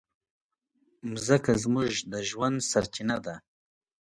مځکه زموږ د ژوند سرچینه ده.